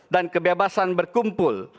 dan kebebasan berkumpul